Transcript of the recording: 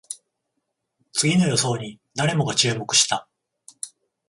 次の予想に誰もが注目した